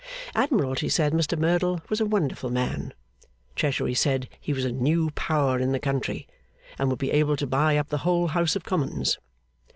Admiralty said Mr Merdle was a wonderful man, Treasury said he was a new power in the country, and would be able to buy up the whole House of Commons.